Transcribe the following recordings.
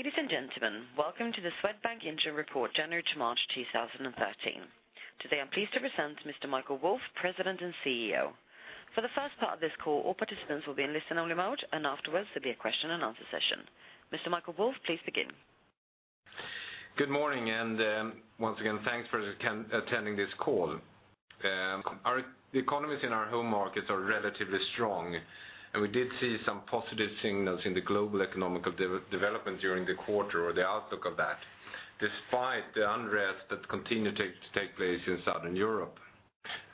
Ladies and gentlemen, welcome to the Swedbank Interim Report, January to March 2013. Today, I'm pleased to present Mr. Michael Wolf, President and CEO. For the first part of this call, all participants will be in listen-only mode, and afterwards, there'll be a question-and-answer session. Mr. Michael Wolf, please begin. Good morning, and once again, thanks for attending this call. The economies in our home markets are relatively strong, and we did see some positive signals in the global economic development during the quarter or the outlook of that, despite the unrest that continued to take place in Southern Europe.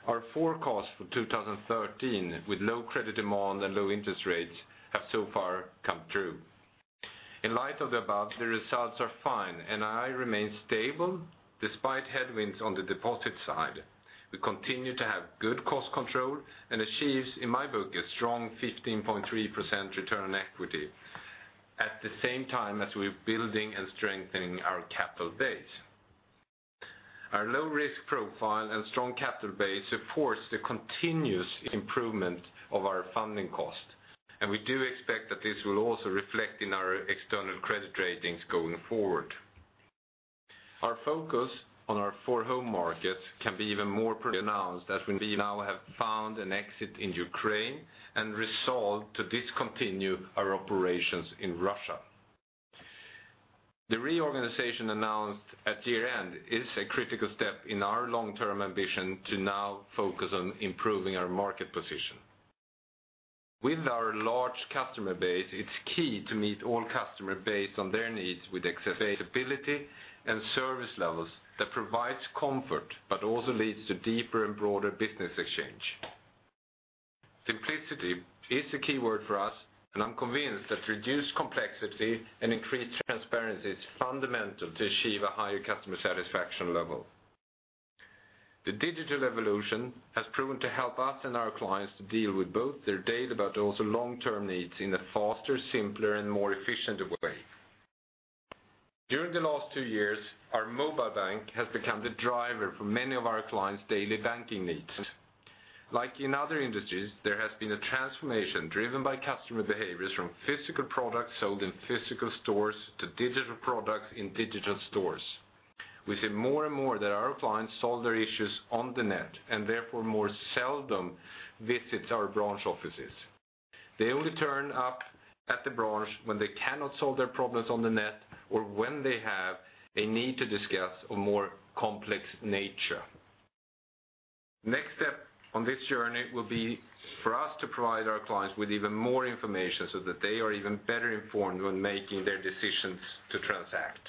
Our forecast for 2013, with low credit demand and low interest rates, have so far come true. In light of the above, the results are fine, and NII remains stable despite headwinds on the deposit side. We continue to have good cost control and achieves, in my book, a strong 15.3% return on equity, at the same time as we're building and strengthening our capital base. Our low-risk profile and strong capital base supports the continuous improvement of our funding cost, and we do expect that this will also reflect in our external credit ratings going forward. Our focus on our four home markets can be even more pronounced as we now have found an exit in Ukraine and resolved to discontinue our operations in Russia. The reorganization announced at year-end is a critical step in our long-term ambition to now focus on improving our market position. With our large customer base, it's key to meet all customer base on their needs with accessibility and service levels that provides comfort, but also leads to deeper and broader business exchange. Simplicity is a key word for us, and I'm convinced that reduced complexity and increased transparency is fundamental to achieve a higher customer satisfaction level. The digital evolution has proven to help us and our clients to deal with both their daily, but also long-term needs in a faster, simpler, and more efficient way. During the last two years, our mobile bank has become the driver for many of our clients' daily banking needs. Like in other industries, there has been a transformation driven by customer behaviors from physical products sold in physical stores to digital products in digital stores. We see more and more that our clients solve their issues on the net and therefore more seldom visits our branch offices. They only turn up at the branch when they cannot solve their problems on the net or when they have a need to discuss a more complex nature. Next step on this journey will be for us to provide our clients with even more information so that they are even better informed when making their decisions to transact.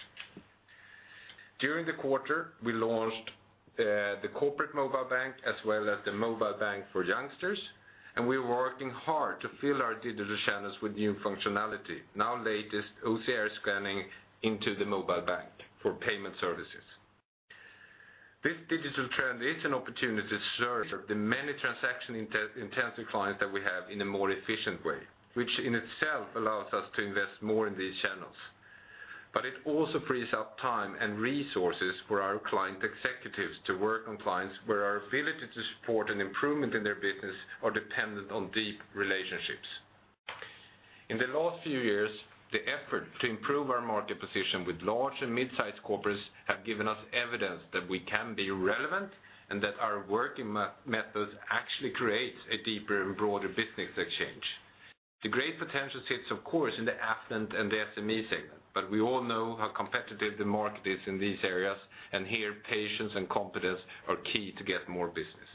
During the quarter, we launched the corporate mobile bank as well as the mobile bank for youngsters, and we are working hard to fill our digital channels with new functionality. Now, latest, OCR scanning into the mobile bank for payment services. This digital trend is an opportunity to serve the many transaction intensive clients that we have in a more efficient way, which in itself allows us to invest more in these channels. But it also frees up time and resources for our client executives to work on clients where our ability to support an improvement in their business are dependent on deep relationships. In the last few years, the effort to improve our market position with large and mid-sized corporates have given us evidence that we can be relevant and that our working methods actually creates a deeper and broader business exchange. The great potential sits, of course, in the affluent and the SME segment, but we all know how competitive the market is in these areas, and here, patience and competence are key to get more business.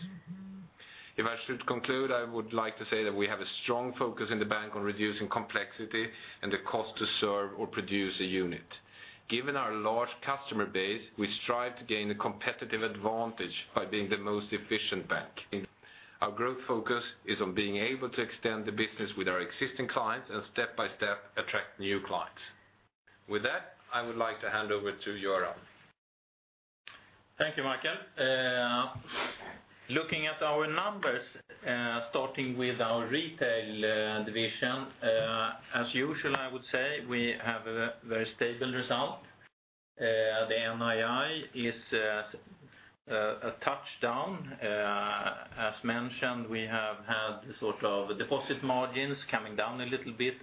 If I should conclude, I would like to say that we have a strong focus in the bank on reducing complexity and the cost to serve or produce a unit. Given our large customer base, we strive to gain a competitive advantage by being the most efficient bank. Our growth focus is on being able to extend the business with our existing clients and step by step, attract new clients. With that, I would like to hand over to Göran. Thank you, Michael. Looking at our numbers, starting with our retail division, as usual, I would say we have a very stable result. The NII is a touch down. As mentioned, we have had sort of deposit margins coming down a little bit.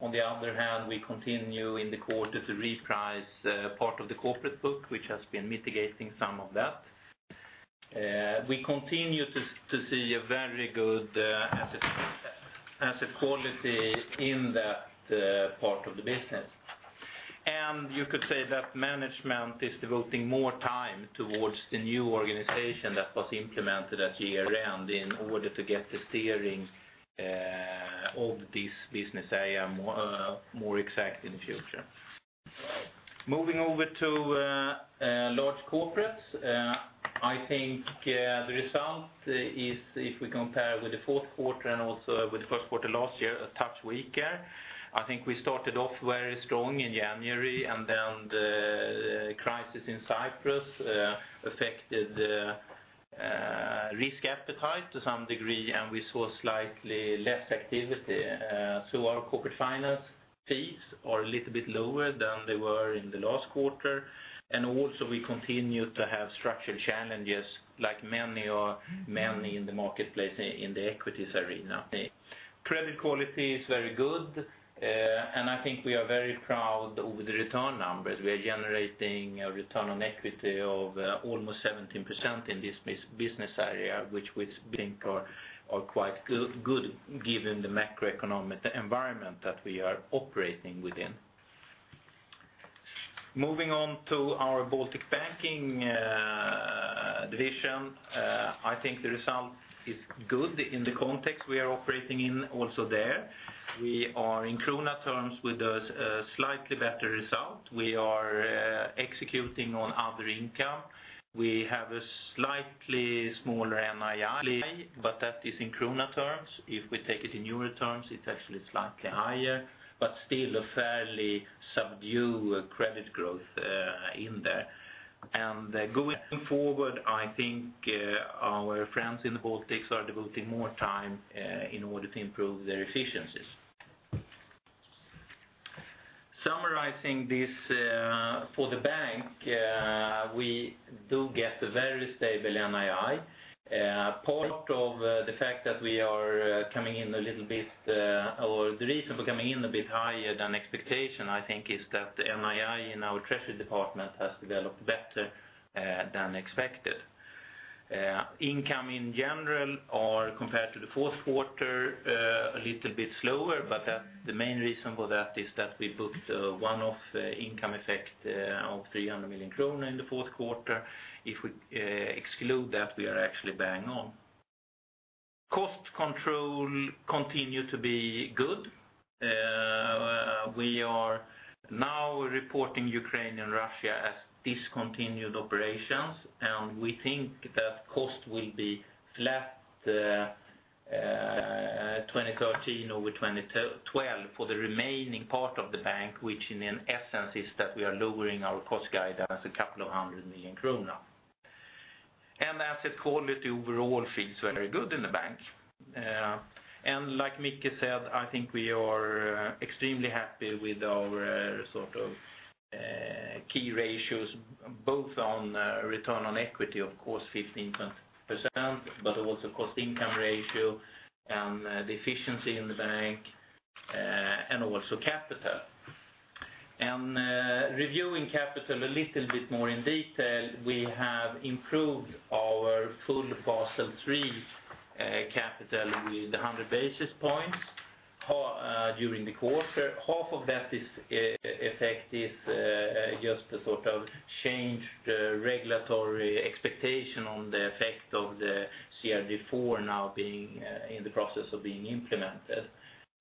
On the other hand, we continue in the quarter to reprice part of the corporate book, which has been mitigating some of that. We continue to see a very good asset quality in that part of the business. And you could say that management is devoting more time towards the new organization that was implemented at year-end in order to get the steering of this business area more exact in the future. Moving over to large corporates, I think the result is, if we compare with the fourth quarter and also with the first quarter last year, a touch weaker. I think we started off very strong in January, and then the crisis in Cyprus affected the risk appetite to some degree, and we saw slightly less activity. So our corporate finance fees are a little bit lower than they were in the last quarter, and also we continue to have structured challenges like many or many in the marketplace in the equities arena. Credit quality is very good, and I think we are very proud over the return numbers. We are generating a return on equity of almost 17% in this business area, which we think are quite good given the macroeconomic environment that we are operating within. Moving on to our Baltic Banking division, I think the result is good in the context we are operating in also there. We are in krona terms with a slightly better result. We are executing on other income. We have a slightly smaller NII, but that is in krona terms. If we take it in euro terms, it's actually slightly higher, but still a fairly subdued credit growth in there. Going forward, I think our friends in the Baltics are devoting more time in order to improve their efficiencies. Summarizing this for the bank, we do get a very stable NII. Part of the fact that we are coming in a little bit, or the reason for coming in a bit higher than expectation, I think, is that the NII in our treasury department has developed better than expected. Income in general are compared to the fourth quarter, a little bit slower, but that the main reason for that is that we booked a one-off income effect of 300 million kronor in the fourth quarter. If we exclude that, we are actually bang on. Cost control continue to be good. We are now reporting Ukraine and Russia as discontinued operations, and we think that cost will be flat, 2013 over 2012 for the remaining part of the bank, which in essence is that we are lowering our cost guidance a couple of hundred million SEK. Asset quality overall feels very good in the bank. And like Micke said, I think we are extremely happy with our sort of key ratios, both on return on equity, of course, 15%, but also cost income ratio and the efficiency in the bank, and also capital. Reviewing capital a little bit more in detail, we have improved our full Basel III capital with 100 basis points during the quarter. Half of that is effect is just a sort of changed regulatory expectation on the effect of the CRD IV now being in the process of being implemented.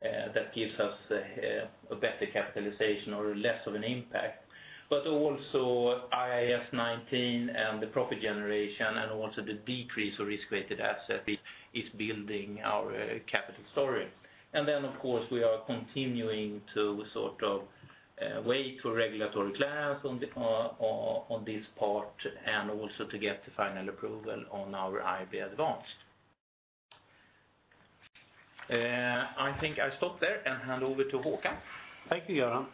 That gives us a better capitalization or less of an impact. But also, IAS 19 and the profit generation, and also the decrease of risk-weighted asset is building our capital story. Then, of course, we are continuing to sort of wait for regulatory clearance on this part, and also to get the final approval on our AIRB advanced. I think I'll stop there and hand over to Håkan. Thank you, Göran.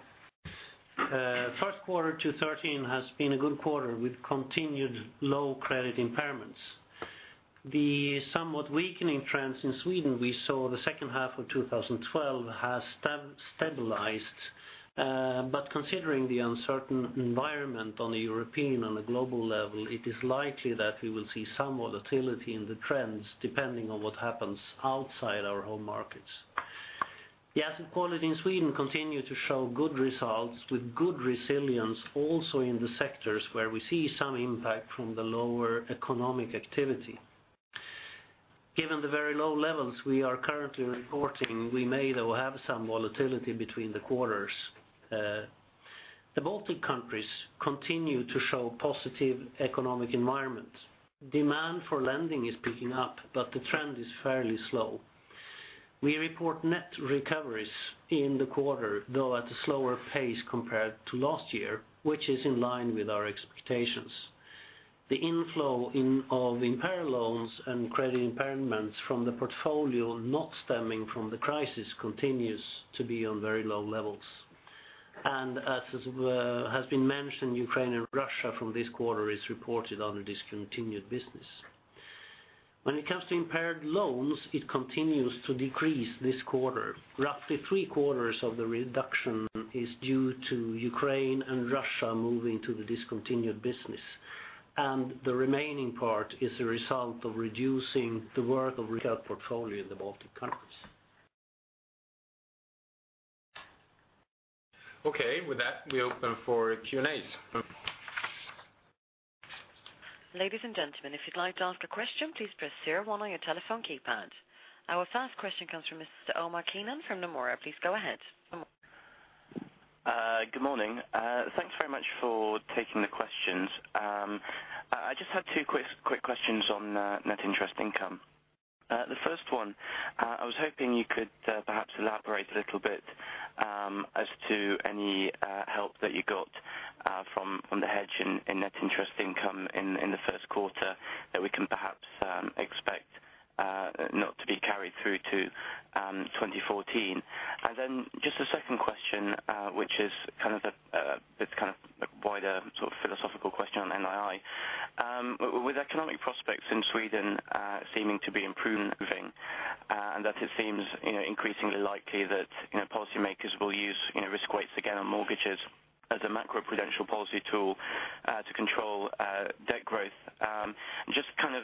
First quarter 2013 has been a good quarter with continued low credit impairments. The somewhat weakening trends in Sweden we saw the second half of 2012 has stabilized, but considering the uncertain environment on the European, on a global level, it is likely that we will see some volatility in the trends depending on what happens outside our home markets. The asset quality in Sweden continue to show good results with good resilience also in the sectors where we see some impact from the lower economic activity. Given the very low levels we are currently reporting, we may though have some volatility between the quarters. The Baltic countries continue to show positive economic environment. Demand for lending is picking up, but the trend is fairly slow. We report net recoveries in the quarter, though at a slower pace compared to last year, which is in line with our expectations. The inflow of impaired loans and credit impairments from the portfolio not stemming from the crisis continues to be on very low levels. And as has been mentioned, Ukraine and Russia from this quarter is reported under discontinued business. When it comes to impaired loans, it continues to decrease this quarter. Roughly three quarters of the reduction is due to Ukraine and Russia moving to the discontinued business, and the remaining part is a result of reducing the workout retail portfolio in the Baltic countries. Okay, with that, we open for Q&As. Ladies and gentlemen, if you'd like to ask a question, please press zero one on your telephone keypad. Our first question comes from Mr. Omar Keenan from Nomura. Please go ahead. Good morning. Thanks very much for taking the questions. I just had two quick questions on net interest income. The first one, I was hoping you could perhaps elaborate a little bit as to any help that you got from the hedge in net interest income in the first quarter that we can perhaps expect not to be carried through to 2014. And then just a second question, which is kind of a wider sort of philosophical question on NII. With economic prospects in Sweden seeming to be improving and that it seems, you know, increasingly likely that, you know, policymakers will use, you know, risk weights again on mortgages as a macroprudential policy tool to control debt growth. Just kind of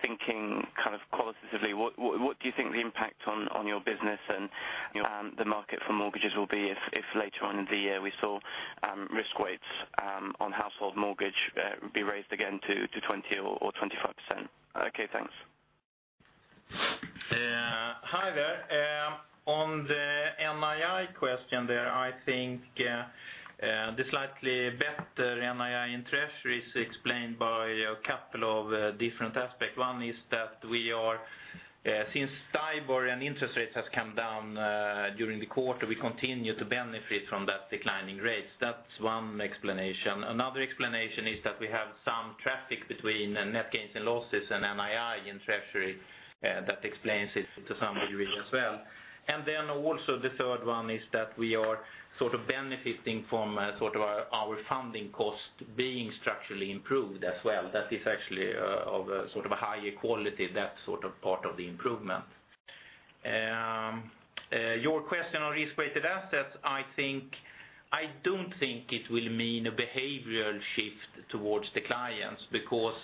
thinking kind of qualitatively, what do you think the impact on your business and the market for mortgages will be if later on in the year we saw risk weights on household mortgage be raised again to 20 or 25%? Okay, thanks. Hi there. On the NII question there, I think, the slightly better NII in treasury is explained by a couple of different aspects. One is that we are, since Stibor and interest rates has come down, during the quarter, we continue to benefit from that declining rates. That's one explanation. Another explanation is that we have some traffic between net gains and losses and NII in treasury, that explains it to some degree as well. And then also the third one is that we are sort of benefiting from, sort of our, our funding cost being structurally improved as well. That is actually, of a sort of a higher quality, that sort of part of the improvement. Your question on risk-weighted assets, I think, I don't think it will mean a behavioral shift towards the clients, because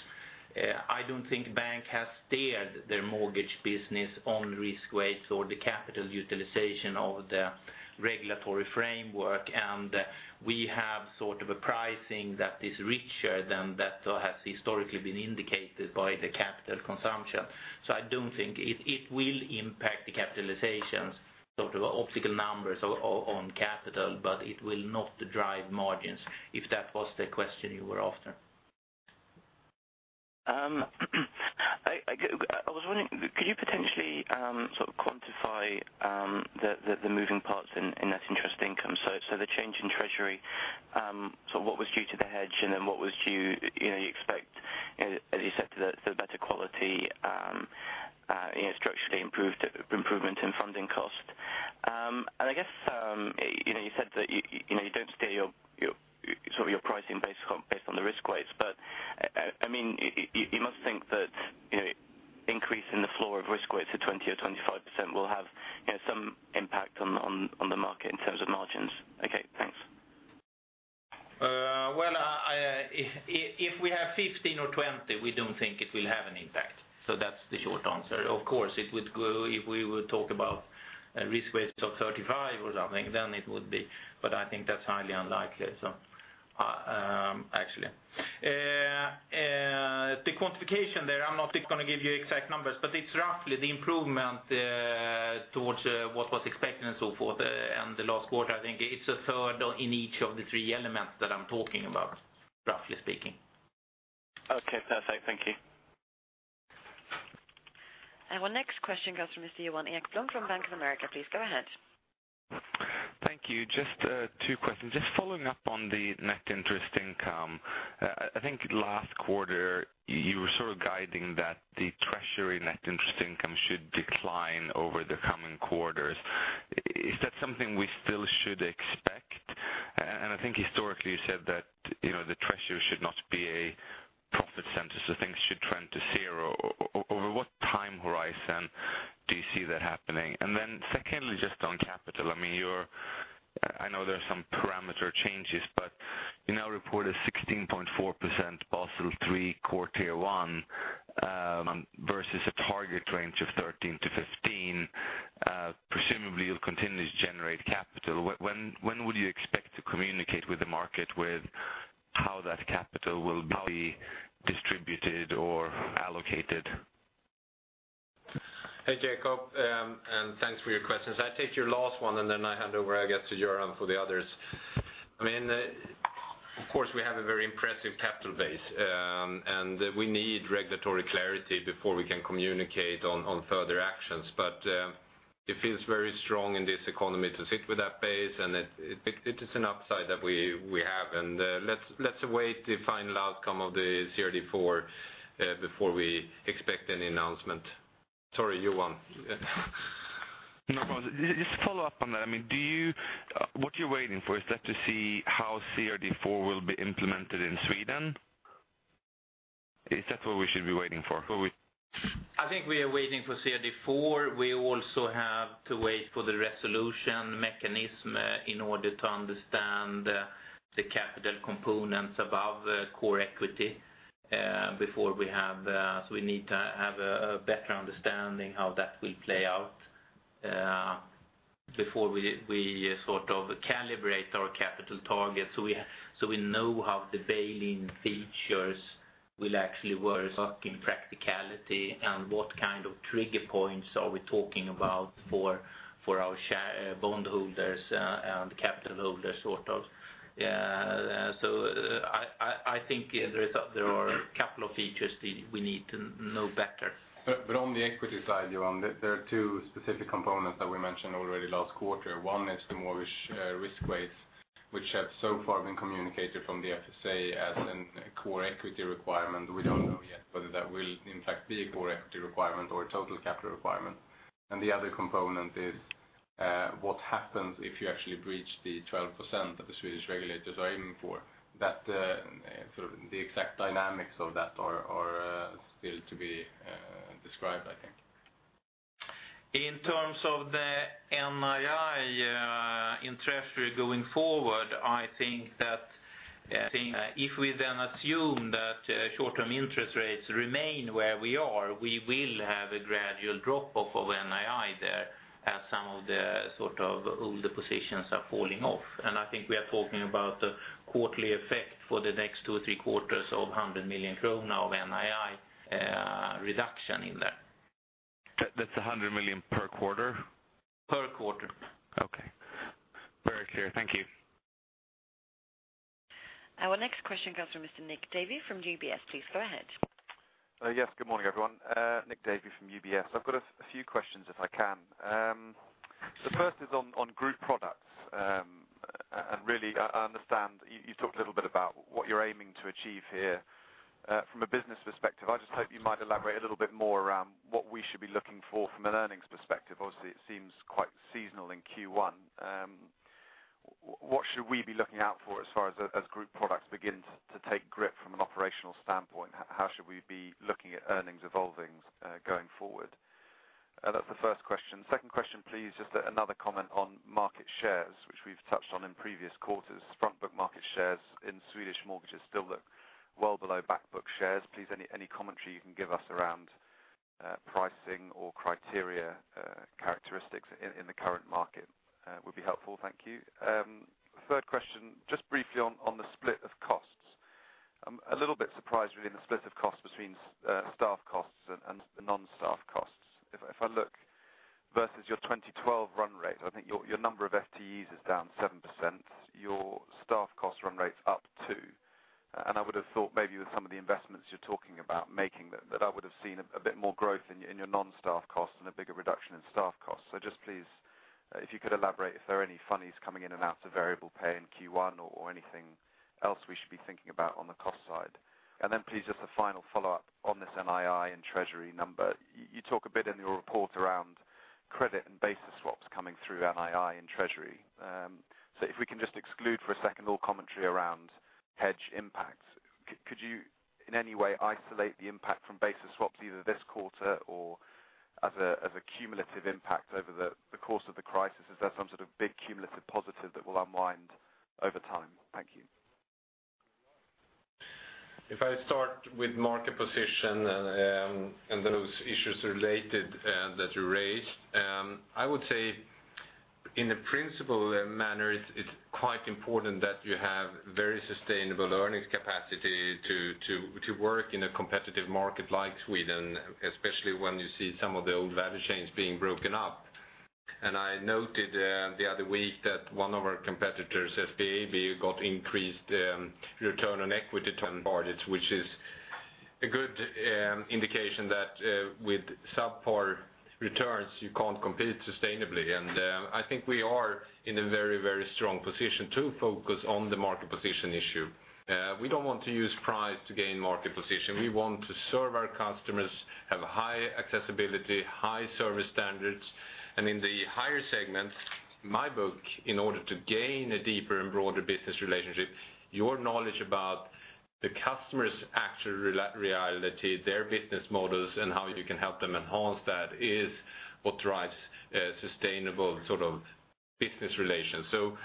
I don't think bank has steered their mortgage business on risk weights or the capital utilization of the regulatory framework. And we have sort of a pricing that is richer than that has historically been indicated by the capital consumption. So I don't think it will impact the capitalizations, sort of optical numbers on capital, but it will not drive margins, if that was the question you were after. I was wondering, could you potentially sort of quantify the moving parts in net interest income? So the change in treasury, so what was due to the hedge, and then what was due, you know, you expect, as you said, the better quality, you know, structurally improved improvement in funding cost. And I guess, you know, you said that you, you know, you don't steer your sort of your pricing based on the risk weights. But I mean, you must think that, you know, increasing the floor of risk weights to 20 or 25% will have, you know, some impact on the market in terms of margins. Okay, thanks. Well, if we have 15 or 20, we don't think it will have an impact, so that's the short answer. Of course, it would go... If we would talk about risk weights of 35 or something, then it would be, but I think that's highly unlikely, so actually. The quantification there, I'm not going to give you exact numbers, but it's roughly the improvement towards what was expected and so forth. And the last quarter, I think it's a third in each of the three elements that I'm talking about, roughly speaking. Okay, perfect. Thank you. Our next question comes from Mr. Johan Ekblom from Bank of America. Please go ahead. Thank you. Just two questions. Just following up on the net interest income. I think last quarter, you were sort of guiding that the treasury net interest income should decline over the coming quarters. Is that something we still should expect? And I think historically, you said that, you know, the treasury should not be a profit center, so things should trend to zero. Over what time horizon do you see that happening? And then secondly, just on capital, I mean, you're. I know there are some parameter changes, but you now report a 16.4% Basel III Core Tier 1 versus a target range of 13%-15%. Presumably you'll continue to generate capital. When would you expect to communicate with the market with how that capital will be distributed or allocated? Hey, Johan, and thanks for your questions. I'll take your last one, and then I hand over, I guess, to Göran for the others. I mean, of course, we have a very impressive capital base, and we need regulatory clarity before we can communicate on further actions. But it feels very strong in this economy to sit with that base, and it is an upside that we have. And let's await the final outcome of the CRD IV before we expect any announcement. Sorry, Göran. No problem. Just to follow up on that, I mean, do you... what you're waiting for, is that to see how CRD IV will be implemented in Sweden? Is that what we should be waiting for? I think we are waiting for CRD IV. We also have to wait for the resolution mechanism in order to understand the capital components above core equity before we have. So we need to have a better understanding how that will play out before we sort of calibrate our capital targets, so we know how the bail-in features will actually work in practicality, and what kind of trigger points are we talking about for our share bondholders and capital holders, sort of. So I think there is a there are a couple of features we need to know better. But on the equity side, Göran, there are two specific components that we mentioned already last quarter. One is the more risk, risk weights, which have so far been communicated from the FSA as a core equity requirement. We don't know yet whether that will in fact be a core equity requirement or a total capital requirement. And the other component is what happens if you actually breach the 12% that the Swedish regulators are aiming for? That sort of the exact dynamics of that are still to be described, I think. In terms of the NII, in treasury going forward, I think that, if we then assume that, short-term interest rates remain where we are, we will have a gradual drop-off of NII there as some of the sort of older positions are falling off. And I think we are talking about the quarterly effect for the next two or three quarters of 100 million krona of NII, reduction in that. That's 100 million per quarter? Per quarter. Okay. Very clear. Thank you. Our next question comes from Mr. Nick Davey from UBS. Please go ahead. Yes, good morning, everyone. Nick Davey from UBS. I've got a few questions, if I can. The first is on group products. And really, I understand you talked a little bit about what you're aiming to achieve here. From a business perspective, I just hope you might elaborate a little bit more around what we should be looking for from an earnings perspective. Obviously, it seems quite seasonal in Q1. What should we be looking out for as far as group products begin to take grip from an operational standpoint? How should we be looking at earnings evolving going forward? That's the first question. Second question, please, just another comment on market shares, which we've touched on in previous quarters. Front book market shares in Swedish mortgages still look well below back book shares. Please, any, any commentary you can give us around pricing or criteria characteristics in the current market would be helpful. Thank you. Third question, just briefly on the split of costs. I'm a little bit surprised with the split of costs between staff costs and the non-staff costs. If I, if I look versus your 2012 run rate, I think your, your number of FTEs is down 7%, your staff cost run rate's up 2%. And I would have thought maybe with some of the investments you're talking about making, that, that I would have seen a, a bit more growth in your non-staff costs and a bigger reduction in staff costs. Just please, if you could elaborate if there are any funnies coming in and out of variable pay in Q1 or anything else we should be thinking about on the cost side. Then please, just a final follow-up on this NII and treasury number. You talk a bit in your report around credit and basis swaps coming through NII and treasury. If we can just exclude for a second all commentary around hedge impacts, could you in any way isolate the impact from basis swaps, either this quarter or as a cumulative impact over the course of the crisis? Is there some sort of big cumulative positive that will unwind over time? Thank you. If I start with market position and, and those issues related, that you raised, I would say in a principal manner, it's, it's quite important that you have very sustainable earnings capacity to, to, to work in a competitive market like Sweden, especially when you see some of the old value chains being broken up. And I noted, the other week that one of our competitors, SBAB, got increased, return on equity targets, which is a good, indication that, with subpar returns, you can't compete sustainably. And, I think we are in a very, very strong position to focus on the market position issue. We don't want to use price to gain market position. We want to serve our customers, have high accessibility, high service standards, and in the higher segments, in my book, in order to gain a deeper and broader business relationship, your knowledge about the customer's actual reality, their business models, and how you can help them enhance that, is what drives a sustainable sort of business relation. So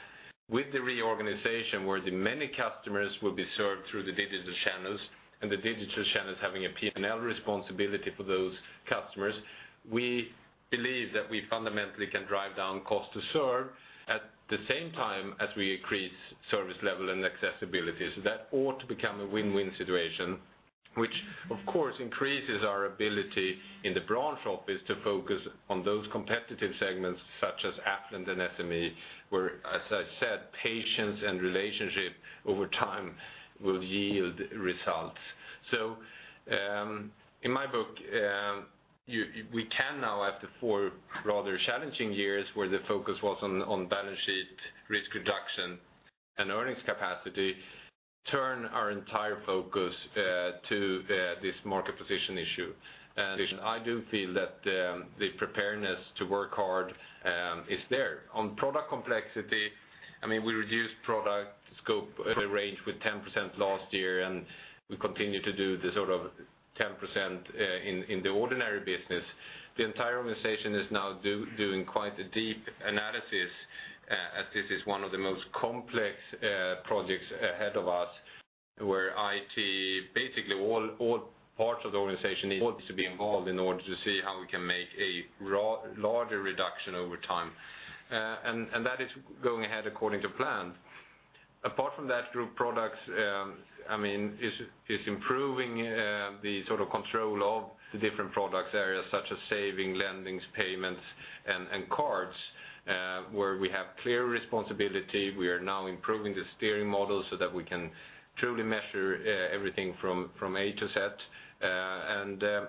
with the reorganization, where the many customers will be served through the digital channels, and the digital channels having a PNL responsibility for those customers, we believe that we fundamentally can drive down cost to serve at the same time as we increase service level and accessibility. So that ought to become a win-win situation, which, of course, increases our ability in the branch office to focus on those competitive segments such as affluent and SME, where, as I said, patience and relationship over time will yield results. So, in my book, we can now, after four rather challenging years, where the focus was on balance sheet, risk reduction, and earnings capacity, turn our entire focus to this market position issue. And I do feel that the preparedness to work hard is there. On product complexity, I mean, we reduced product scope range with 10% last year, and we continue to do the sort of 10% in the ordinary business. The entire organization is now doing quite a deep analysis, as this is one of the most complex projects ahead of us, where IT, basically all parts of the organization needs to be involved in order to see how we can make a larger reduction over time. And that is going ahead according to plan. Apart from that, group products, I mean, is improving the sort of control of the different products areas such as saving, lendings, payments, and cards, where we have clear responsibility. We are now improving the steering model so that we can truly measure everything from A to Z.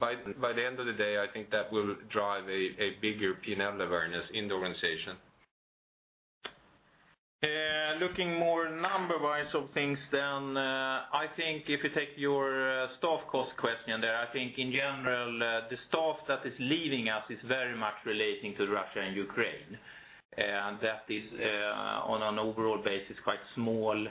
By the end of the day, I think that will drive a bigger PNL awareness in the organization. Looking more number-wise of things, then, I think if you take your staff cost question there, I think in general, the staff that is leaving us is very much relating to Russia and Ukraine. And that is, on an overall basis, quite small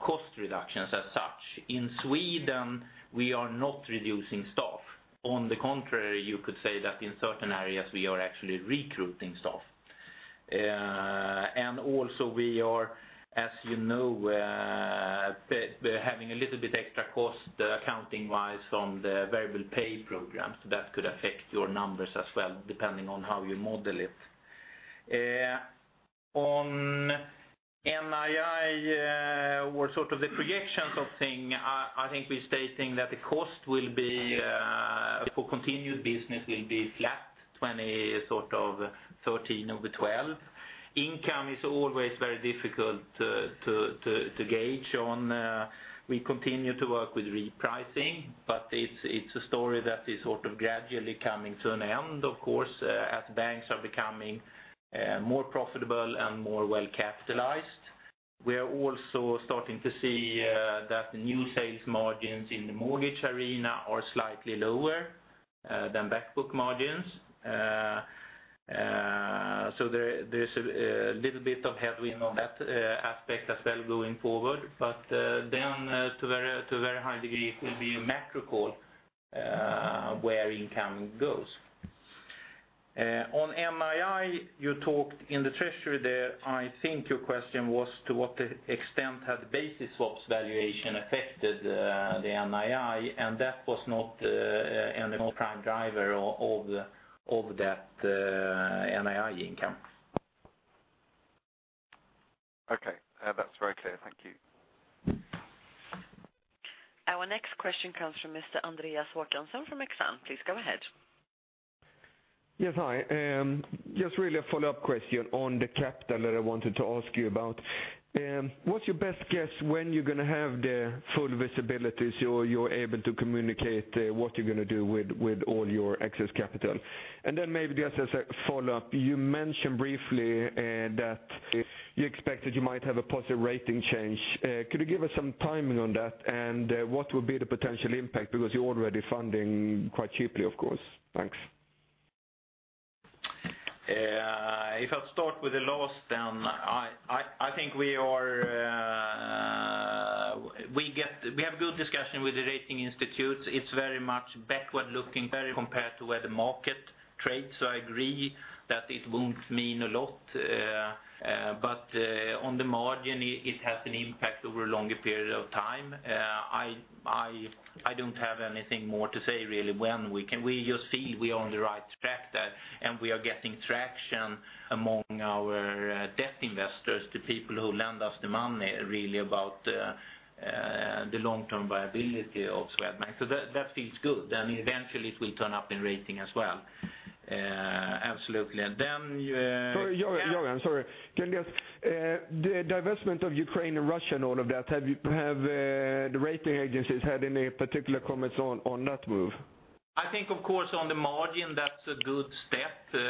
cost reductions as such. In Sweden, we are not reducing staff. On the contrary, you could say that in certain areas, we are actually recruiting staff. And also we are, as you know, we're having a little bit extra cost accounting-wise from the variable pay programs. That could affect your numbers as well, depending on how you model it. On NII, or sort of the projections of thing, I think we're stating that the cost will be, for continued business will be flat, 2013 over 2012. Income is always very difficult to gauge on. We continue to work with repricing, but it's a story that is sort of gradually coming to an end, of course, as banks are becoming more profitable and more well-capitalized. We are also starting to see that the new sales margins in the mortgage arena are slightly lower than back book margins. So there's a little bit of headwind on that aspect as well going forward. But then to a very high degree, it will be a macro call where income goes. On NII, you talked in the treasury there, I think your question was to what extent has basis swaps valuation affected the NII? And that was not any more prime driver of that NII income. Okay. That's very clear. Thank you. Our next question comes from Mr. Andreas Håkansson from Exane. Please go ahead. Yes, hi. Just really a follow-up question on the capital that I wanted to ask you about. What's your best guess when you're going to have the full visibility, so you're able to communicate what you're going to do with all your excess capital? And then maybe just as a follow-up, you mentioned briefly that you expected you might have a positive rating change. Could you give us some timing on that? And what would be the potential impact, because you're already funding quite cheaply, of course. Thanks. If I'll start with the last, then I think we are... We have good discussion with the rating institutes. It's very much backward looking, very compared to where the market trades. So I agree that it won't mean a lot, but on the margin, it has an impact over a longer period of time. I don't have anything more to say, really, when we can... We just see we are on the right track there, and we are getting traction among our debt investors, the people who lend us the money, really, about the long-term viability of Swedbank. So that feels good. Then eventually, it will turn up in rating as well. Absolutely. And then, Sorry, Göran, sorry. Can you just, the divestment of Ukraine and Russia and all of that, have you, the rating agencies had any particular comments on that move? I think, of course, on the margin, that's a good step,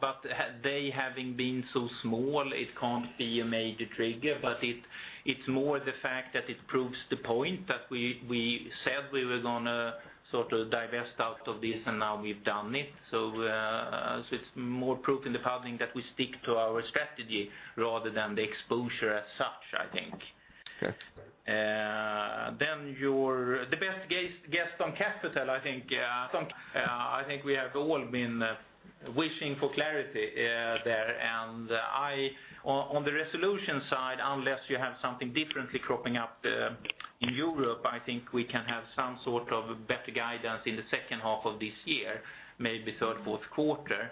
but they having been so small, it can't be a major trigger. But it, it's more the fact that it proves the point that we, we said we were going to sort of divest out of this, and now we've done it. So, so it's more proof in the pudding that we stick to our strategy rather than the exposure as such, I think. Okay. Then the best guess on capital, I think we have all been wishing for clarity there. On the resolution side, unless you have something differently cropping up in Europe, I think we can have some sort of better guidance in the second half of this year, maybe third, fourth quarter.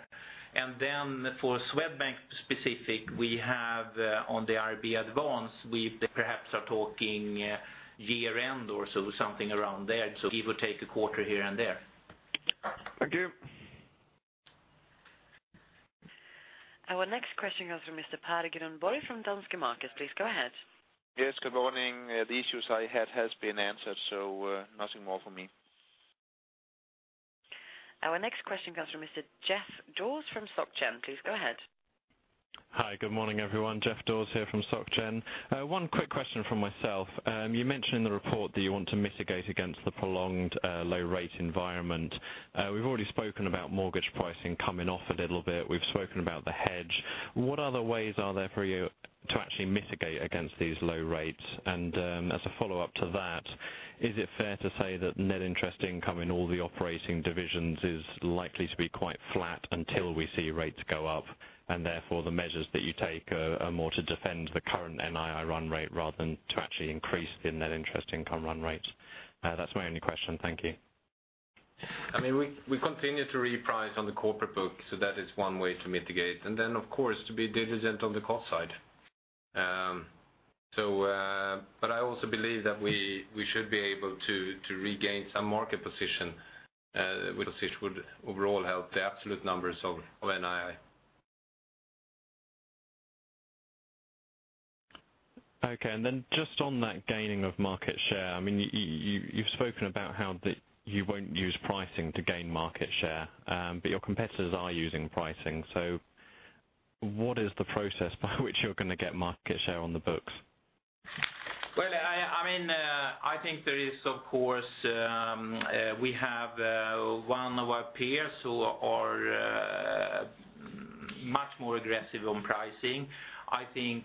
And then for Swedbank specific, we have on the AIRB advanced, we perhaps are talking year-end or so, something around there. So we would take a quarter here and there. Thank you. Our next question comes from Mr. Per Grönborg from Danske Markets. Please go ahead. Yes, good morning. The issues I had has been answered, so, nothing more from me. Our next question comes from Mr. Geoff Dawes from Soc Gen. Please go ahead. Hi, good morning, everyone. Geoff Dawes here from Soc Gen. One quick question from myself. You mentioned in the report that you want to mitigate against the prolonged low rate environment. We've already spoken about mortgage pricing coming off a little bit. We've spoken about the hedge. What other ways are there for you to actually mitigate against these low rates? And, as a follow-up to that, is it fair to say that net interest income in all the operating divisions is likely to be quite flat until we see rates go up, and therefore, the measures that you take are more to defend the current NII run rate rather than to actually increase the net interest income run rates? That's my only question. Thank you. I mean, we continue to reprice on the corporate book, so that is one way to mitigate. And then, of course, to be diligent on the cost side. So, but I also believe that we should be able to regain some market position, which would overall help the absolute numbers of NII. Okay, and then just on that gaining of market share, I mean, you've spoken about how the, you won't use pricing to gain market share, but your competitors are using pricing. So what is the process by which you're gonna get market share on the books? Well, I mean, I think there is, of course, we have one of our peers who are much more aggressive on pricing. I think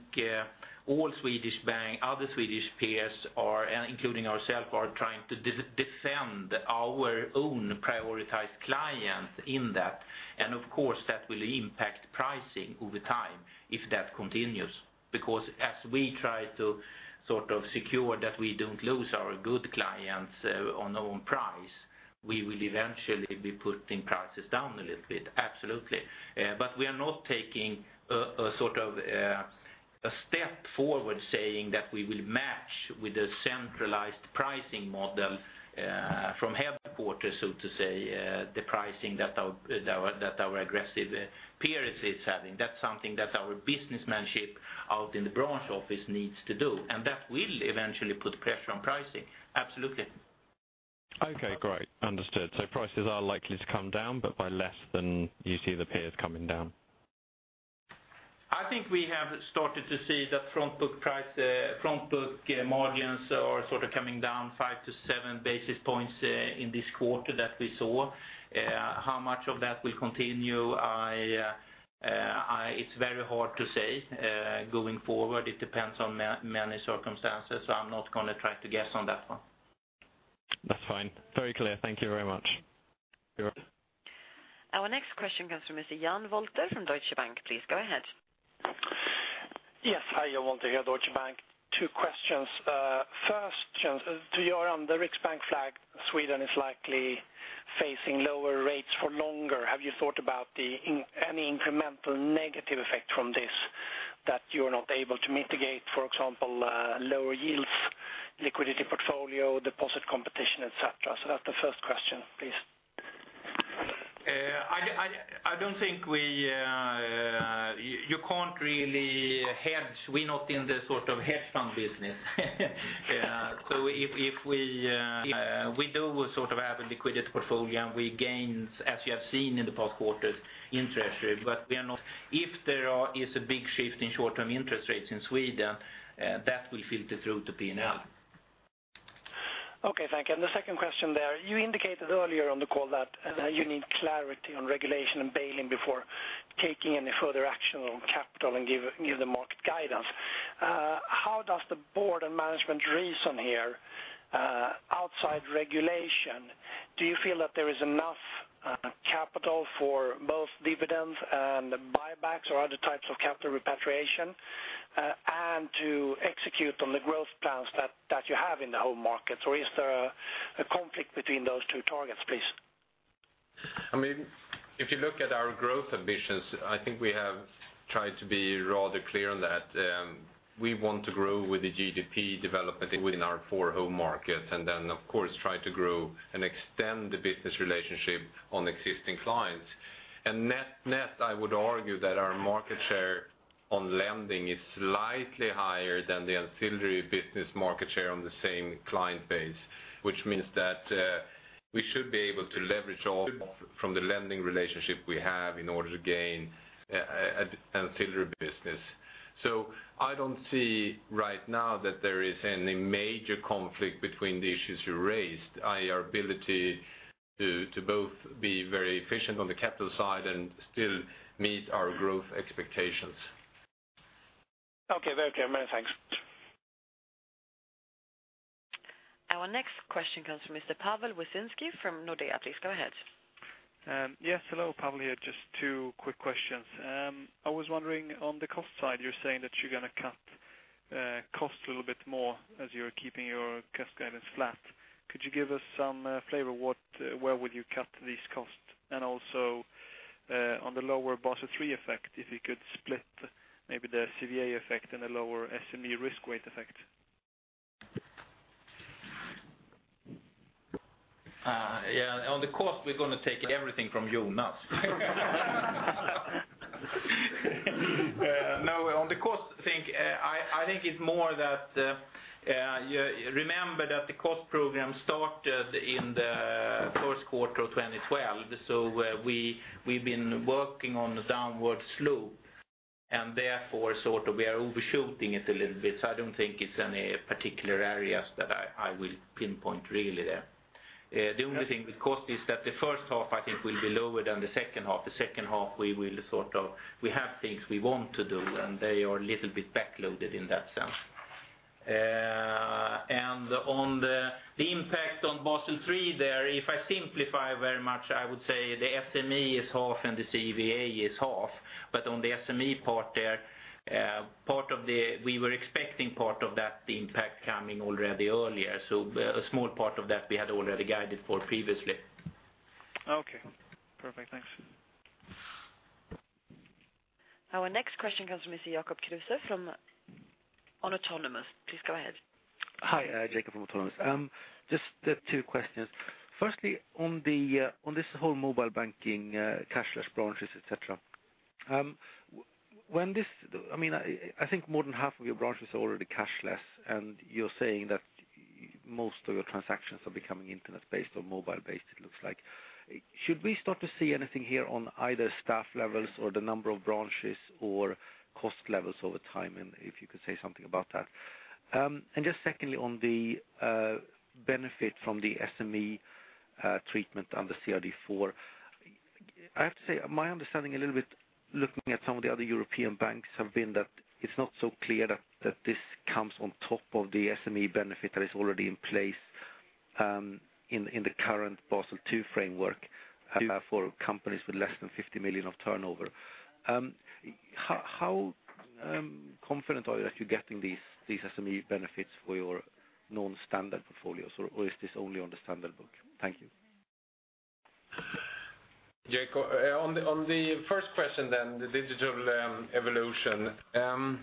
all Swedish bank, other Swedish peers are, and including ourselves, are trying to defend our own prioritized clients in that. And of course, that will impact pricing over time if that continues, because as we try to sort of secure that we don't lose our good clients on price, we will eventually be putting prices down a little bit. Absolutely. But we are not taking a sort of a step forward saying that we will match with a centralized pricing model from headquarters, so to say, the pricing that our aggressive peers is having. That's something that our businessmanship out in the branch office needs to do, and that will eventually put pressure on pricing. Absolutely. Okay, great. Understood. So prices are likely to come down, but by less than you see the peers coming down. I think we have started to see the front book price, front book margins are sort of coming down 5-7 basis points in this quarter that we saw. How much of that will continue, it's very hard to say going forward. It depends on many circumstances, so I'm not gonna try to guess on that one. That's fine. Very clear. Thank you very much. You're welcome. Our next question comes from Mr. Jan Wolter from Deutsche Bank. Please go ahead. Yes. Hi, Jan Wolter here, Deutsche Bank. Two questions. First, Jan, to your, the Riksbank flag, Sweden is likely facing lower rates for longer. Have you thought about the any incremental negative effect from this that you're not able to mitigate, for example, lower yields, liquidity portfolio, deposit competition, et cetera? So that's the first question, please. I don't think we... You can't really hedge. We're not in the sort of hedge fund business. So if we do sort of have a liquidity portfolio, and we gains, as you have seen in the past quarters, in treasury. But we are not. If there is a big shift in short-term interest rates in Sweden, that will filter through the P&L. Okay, thank you. And the second question there, you indicated earlier on the call that you need clarity on regulation and bail-in before taking any further action on capital and give, give the market guidance. How does the board and management reason here, outside regulation, do you feel that there is enough capital for both dividends and buybacks or other types of capital repatriation, and to execute on the growth plans that, that you have in the home markets? Or is there a conflict between those two targets, please? I mean, if you look at our growth ambitions, I think we have tried to be rather clear on that. We want to grow with the GDP development within our four home markets, and then, of course, try to grow and extend the business relationship on existing clients. And net, net, I would argue that our market share on lending is slightly higher than the ancillary business market share on the same client base, which means that we should be able to leverage off from the lending relationship we have in order to gain ancillary business. So I don't see right now that there is any major conflict between the issues you raised, i.e., our ability to both be very efficient on the capital side and still meet our growth expectations. Okay, very clear. Many thanks. Our next question comes from Mr. Pawel Wyszynski from Nordea. Please go ahead. Yes, hello, Pawel here. Just two quick questions. I was wondering, on the cost side, you're saying that you're gonna cut costs a little bit more as you're keeping your cash guidance flat. Could you give us some flavor what, where would you cut these costs? And also, on the lower Basel III effect, if you could split maybe the CVA effect and the lower SME risk weight effect. Yeah, on the cost, we're gonna take everything from Jonas. No, on the cost thing, I think it's more that, remember that the cost program started in the first quarter of 2012, so, we've been working on a downward slope, and therefore, sort of we are overshooting it a little bit, so I don't think it's any particular areas that I will pinpoint really there. The only thing with cost is that the first half, I think, will be lower than the second half. The second half, we will sort of... We have things we want to do, and they are a little bit backloaded in that sense. And on the, the impact on Basel III there, if I simplify very much, I would say the SME is half and the CVA is half. But on the SME part there, part of that, we were expecting part of that, the impact coming already earlier, so a small part of that we had already guided for previously. Okay, perfect. Thanks. Our next question comes from Mr. Jacob Kruse from Autonomous. Please go ahead. Hi, Jacob from Autonomous. Just, two questions. Firstly, on this whole mobile banking, cashless branches, et cetera. When this, I mean, I think more than half of your branches are already cashless, and you're saying that most of your transactions are becoming internet-based or mobile-based, it looks like. Should we start to see anything here on either staff levels or the number of branches or cost levels over time, and if you could say something about that? And just secondly, on the benefit from the SME treatment under CRD IV. I have to say, my understanding a little bit, looking at some of the other European banks, have been that it's not so clear that, that this comes on top of the SME benefit that is already in place, in, in the current Basel II framework for companies with less than 50 million of turnover. How, confident are you that you're getting these, these SME benefits for your non-standard portfolios, or, or is this only on the standard book? Thank you. Jacob, on the first question then, the digital evolution. I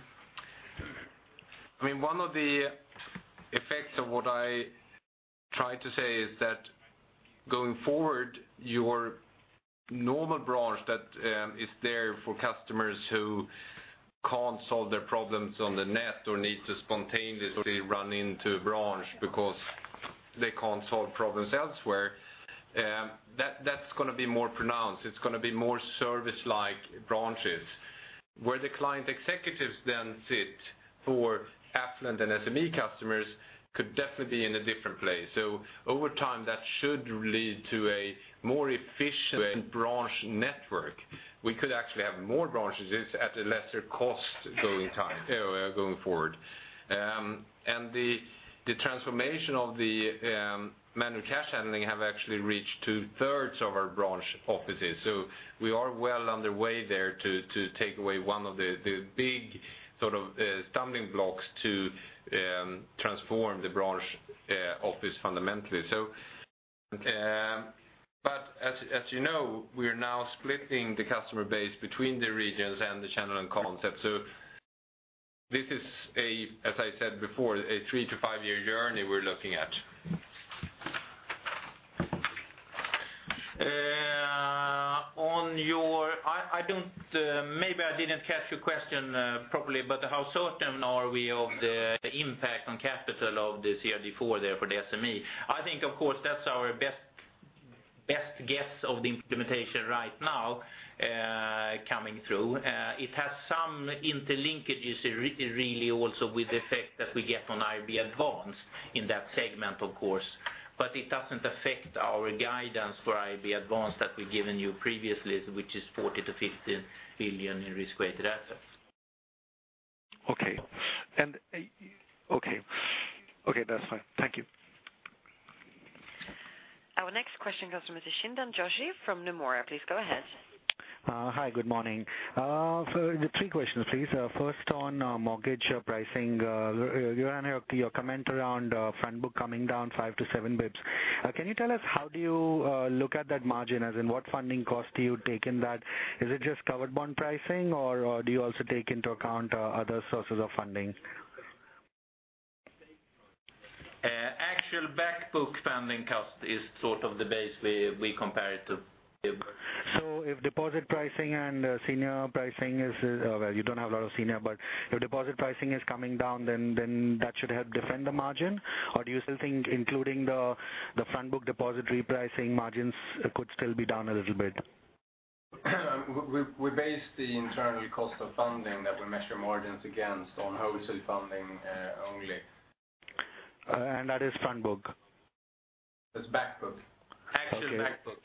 mean, one of the effects of what I tried to say is that going forward, your normal branch that is there for customers who can't solve their problems on the net or need to spontaneously run into a branch because they can't solve problems elsewhere, that's gonna be more pronounced. It's gonna be more service-like branches. Where the client executives then sit for affluent and SME customers could definitely be in a different place. So over time, that should lead to a more efficient branch network. We could actually have more branches at a lesser cost going time, going forward. And the transformation of the manual cash handling have actually reached two-thirds of our branch offices, so we are well underway there to take away one of the big sort of stumbling blocks to transform the branch office fundamentally. But as you know, we are now splitting the customer base between the regions and the channel and concept. So this is, as I said before, a 3-5-year journey we're looking at. On your... I, I don't, maybe I didn't catch your question, properly, but how certain are we of the impact on capital of this CRD IV there for the SME? I think, of course, that's our best, best guess of the implementation right now, coming through. It has some interlinkages really also with the effect that we get on AIRB advanced in that segment, of course, but it doesn't affect our guidance for AIRB advanced that we've given you previously, which is 40 billion-50 billion in risk-weighted assets. Okay. And, okay. Okay, that's fine. Thank you. Our next question comes from Chintan Joshi from Nomura. Please go ahead. Hi, good morning. So three questions, please. First on mortgage pricing, your comment around front book coming down 5-7 basis points. Can you tell us how do you look at that margin, as in what funding cost do you take in that? Is it just covered bond pricing, or do you also take into account other sources of funding? Actual back book funding cost is sort of the base we compare it to... So if deposit pricing and senior pricing is, well, you don't have a lot of senior, but if deposit pricing is coming down, then, then that should help defend the margin? Or do you still think including the, the front book deposit repricing margins could still be down a little bit? We base the internal cost of funding that we measure margins against on wholesale funding only. That is front book? It's back book. Okay. Actual back book.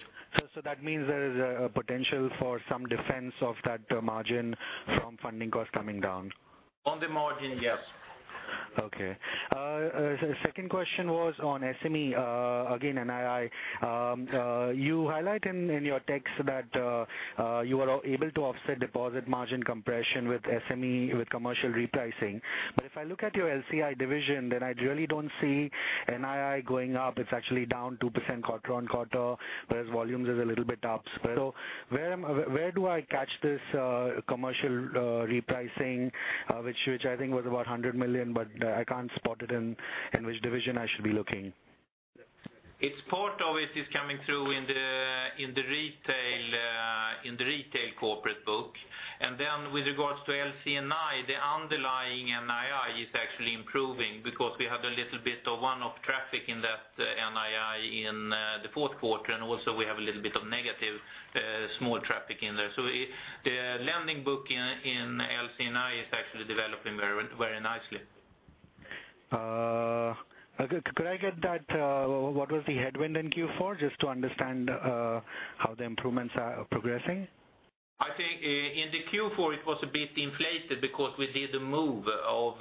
So, that means there is a potential for some defense of that margin from funding costs coming down? On the margin, yes. Okay. Second question was on SME, again, NII. You highlight in your text that you are able to offset deposit margin compression with SME, with commercial repricing. But if I look at your LCI division, then I really don't see NII going up. It's actually down 2% quarter-on-quarter, whereas volumes is a little bit up. So where am, where do I catch this commercial repricing, which I think was about 100 million, but I can't spot it in which division I should be looking? It's part of it is coming through in the retail corporate book. And then with regards to LC&I, the underlying NII is actually improving because we have a little bit of one-off traffic in that NII in the fourth quarter, and also we have a little bit of negative small traffic in there. So it, the lending book in LC&I is actually developing very, very nicely. Could I get that, what was the headwind in Q4? Just to understand how the improvements are progressing. I think in the Q4, it was a bit inflated because we did a move of,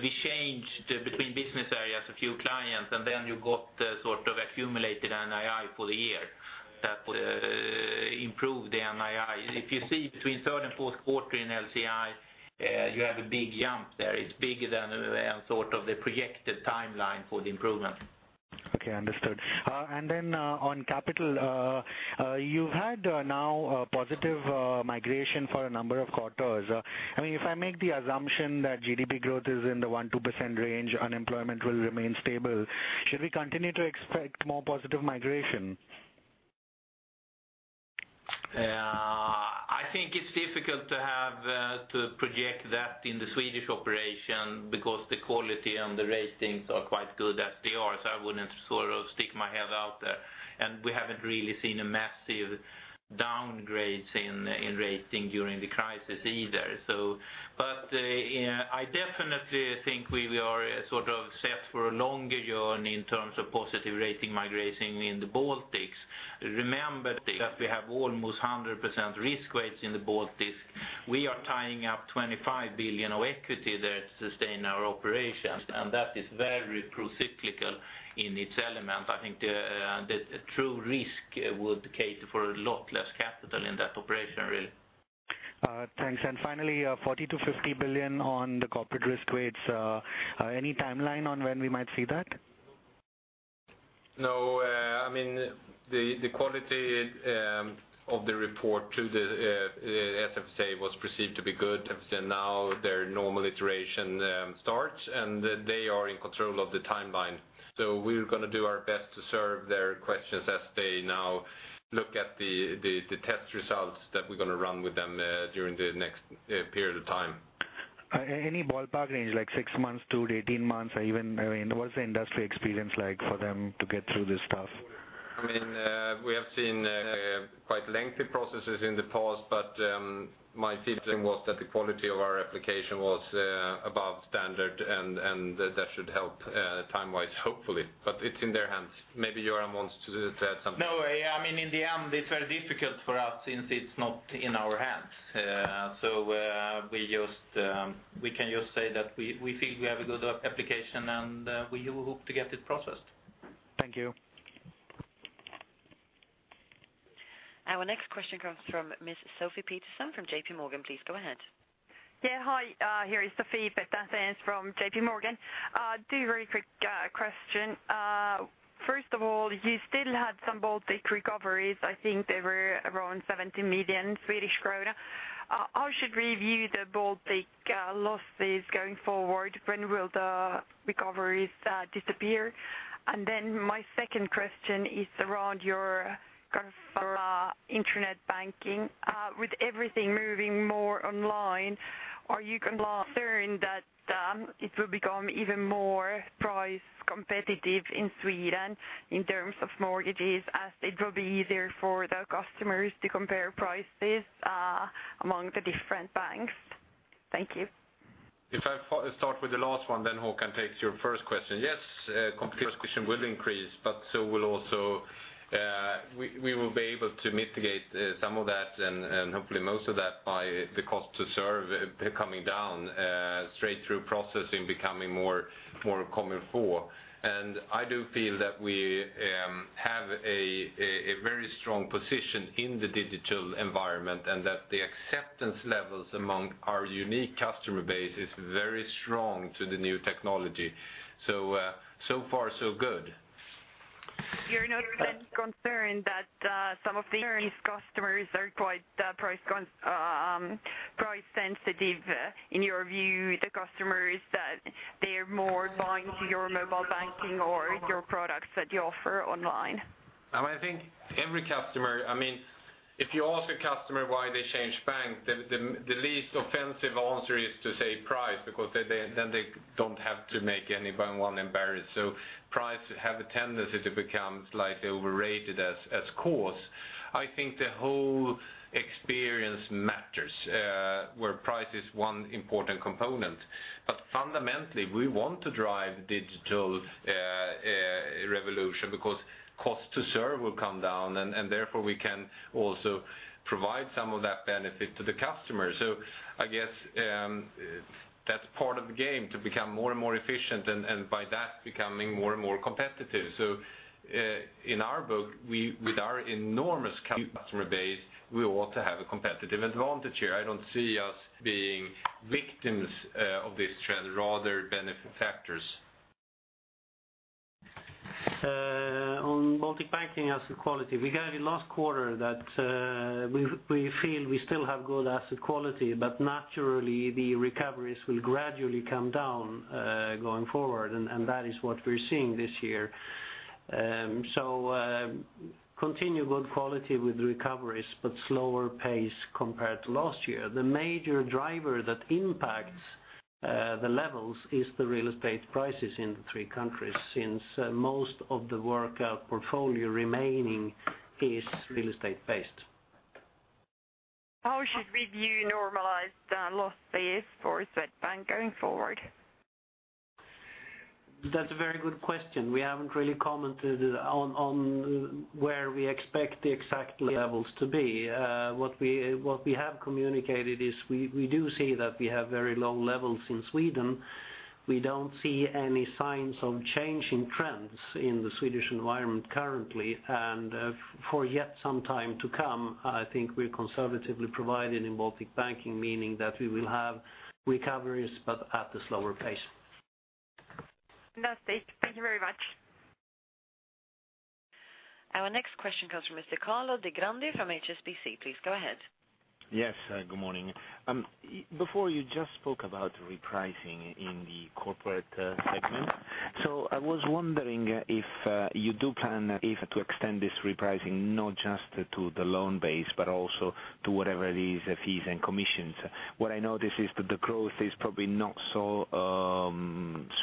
we changed between business areas, a few clients, and then you got sort of accumulated NII for the year. That would improve the NII. If you see between third and fourth quarter in LCI, you have a big jump there. It's bigger than sort of the projected timeline for the improvement. Okay, understood. And then, on capital, you had now a positive migration for a number of quarters. I mean, if I make the assumption that GDP growth is in the 1-2% range, unemployment will remain stable, should we continue to expect more positive migration? I think it's difficult to have to project that in the Swedish operation because the quality and the ratings are quite good as they are, so I wouldn't sort of stick my head out there. And we haven't really seen a massive downgrades in, in rating during the crisis either. Yeah, I definitely think we are sort of set for a longer journey in terms of positive rating migration in the Baltics. Remember that we have almost 100% risk weights in the Baltics. We are tying up 25 billion of equity there to sustain our operations, and that is very procyclical in its element. I think the the true risk would cater for a lot less capital in that operation, really. Thanks. And finally, 40 billion-50 billion on the corporate risk weights. Any timeline on when we might see that? No, I mean, the quality of the report to the FSA was perceived to be good, and now their normal iteration starts, and they are in control of the timeline. So we're gonna do our best to serve their questions as they now look at the test results that we're gonna run with them during the next period of time. Any ballpark range, like 6-18 months, or even, I mean, what's the industry experience like for them to get through this stuff? I mean, we have seen quite lengthy processes in the past, but my feeling was that the quality of our application was above standard, and, and that should help time-wise, hopefully. But it's in their hands. Maybe Göran wants to add something. No, I mean, in the end, it's very difficult for us since it's not in our hands. So, we can just say that we feel we have a good application, and we hope to get it processed. Thank you. Our next question comes from Ms. Sophie Peterson from JP Morgan. Please go ahead. Yeah, hi, here is Sophie Peterson from JP Morgan. Two very quick question. First of all, you still had some Baltic recoveries. I think they were around 17 million Swedish krona. How should we view the Baltic losses going forward? When will the recoveries disappear? And then my second question is around your kind of internet banking. With everything moving more online, are you concerned that it will become even more price competitive in Sweden in terms of mortgages, as it will be easier for the customers to compare prices among the different banks? Thank you. If I start with the last one, then Håkan takes your first question. Yes, competition will increase, but so will also, we will be able to mitigate, some of that and hopefully most of that by the cost to serve coming down, straight through processing becoming more common for. And I do feel that we have a very strong position in the digital environment, and that the acceptance levels among our unique customer base is very strong to the new technology. So, so far, so good. You're not concerned that some of these customers are quite price conscious, price sensitive? In your view, the customers that they are more buying into your mobile banking or your products that you offer online. I think every customer, I mean, if you ask a customer why they change banks, the least offensive answer is to say price, because then they don't have to make anyone embarrassed. So price have a tendency to become slightly overrated, of course. I think the whole experience matters, where price is one important component. But fundamentally, we want to drive digital revolution because cost to serve will come down, and therefore, we can also provide some of that benefit to the customer. So I guess, that's part of the game, to become more and more efficient, and by that, becoming more and more competitive. So, in our book, we with our enormous customer base, we ought to have a competitive advantage here. I don't see us being victims of this trend, rather beneficiaries. On Baltic banking asset quality, we guided last quarter that, we, we feel we still have good asset quality, but naturally, the recoveries will gradually come down, going forward, and, and that is what we're seeing this year. So, continue good quality with recoveries, but slower pace compared to last year. The major driver that impacts, the levels is the real estate prices in the three countries, since most of the workout portfolio remaining is real estate-based. How should we view normalized, loss base for Swedbank going forward? That's a very good question. We haven't really commented on where we expect the exact levels to be. What we have communicated is we do see that we have very low levels in Sweden. We don't see any signs of changing trends in the Swedish environment currently, and for yet some time to come, I think we're conservatively provided in Baltic Banking, meaning that we will have recoveries but at a slower pace. Fantastic. Thank you very much. Our next question comes from Mr. Carlo Digrandi from HSBC. Please go ahead. Yes, good morning. Before you just spoke about repricing in the corporate segment. So I was wondering if you do plan if to extend this repricing, not just to the loan base, but also to whatever it is, the fees and commissions. What I notice is that the growth is probably not so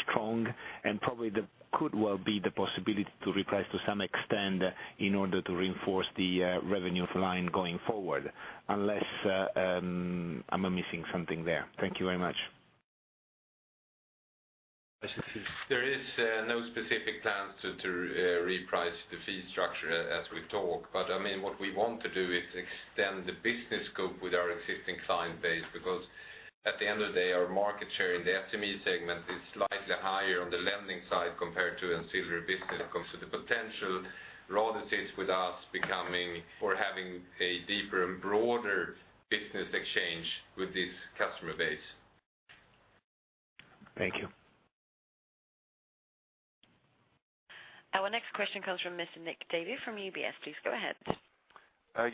strong, and probably there could well be the possibility to reprice to some extent in order to reinforce the revenue line going forward, unless am I missing something there? Thank you very much. There is no specific plans to reprice the fee structure as we talk. But, I mean, what we want to do is extend the business scope with our existing client base, because at the end of the day, our market share in the SME segment is slightly higher on the lending side compared to ancillary business. When it comes to the potential RWA that sits with us becoming or having a deeper and broader business exchange with this customer base. Thank you. Our next question comes from Mr. Nick Davey from UBS. Please go ahead.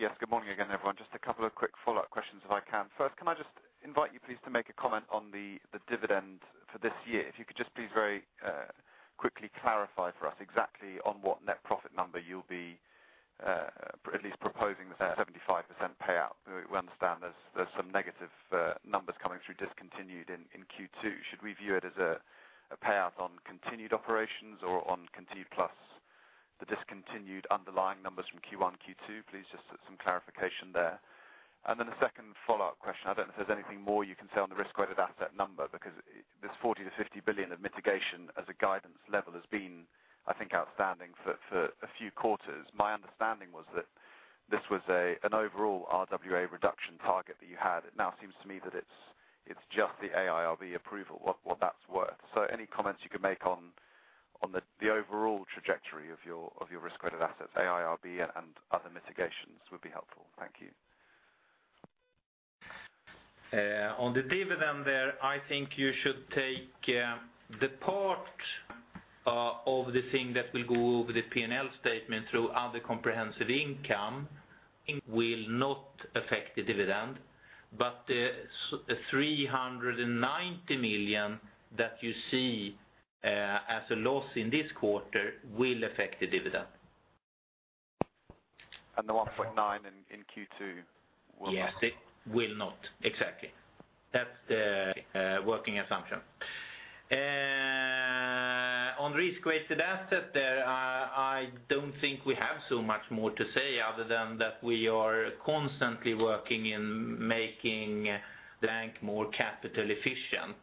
Yes, good morning again, everyone. Just a couple of quick follow-up questions, if I can. First, can I just invite you, please, to make a comment on the dividend for this year? If you could just please very quickly clarify for us exactly on what net profit number you'll be at least proposing the 75% payout. We understand there's some negative numbers coming through discontinued in Q2. Should we view it as a payout on continued operations or on continued plus the discontinued underlying numbers from Q1, Q2? Please, just some clarification there. And then a second follow-up question. I don't know if there's anything more you can say on the risk-weighted asset number, because this 40-50 billion of mitigation as a guidance level has been, I think, outstanding for a few quarters. My understanding was that this was an overall RWA reduction target that you had. It now seems to me that it's just the AIRB approval, what that's worth. So any comments you could make on the overall trajectory of your risk-weighted assets, AIRB and other mitigations would be helpful. Thank you. On the dividend there, I think you should take the part of the thing that will go over the P&L statement through other comprehensive income, which will not affect the dividend, but the 390 million that you see as a loss in this quarter will affect the dividend. The 1.9 in Q2 will not? Yes, it will not. Exactly. That's the working assumption. On risk-weighted asset there, I don't think we have so much more to say other than that we are constantly working in making the bank more capital efficient.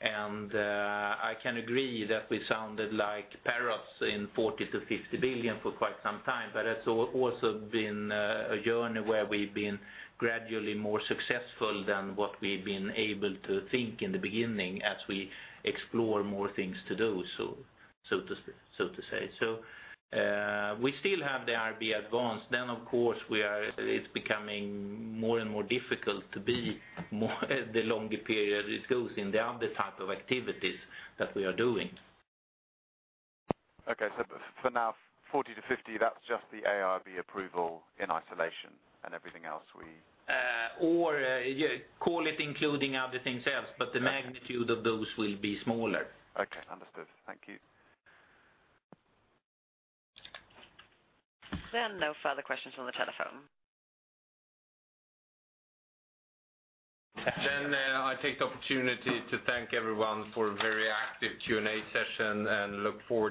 And I can agree that we sounded like parrots in 40 billion-50 billion for quite some time, but it's also been a journey where we've been gradually more successful than what we've been able to think in the beginning as we explore more things to do, so to say. So we still have the AIRB advanced. Then, of course, we are. It's becoming more and more difficult to be more the longer period it goes in the other type of activities that we are doing. Okay. So for now, 40-50, that's just the AIRB approval in isolation and everything else we- Yeah, call it including other things else, but the magnitude of those will be smaller. Okay, understood. Thank you. There are no further questions on the telephone. I take the opportunity to thank everyone for a very active Q&A session, and look forward-